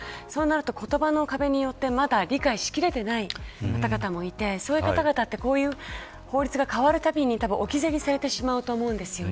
言葉の壁によって理解し切れていない方々もいてそういう方々ってこういう法律が変わるたびに置き去りにされてしまうと思うんです。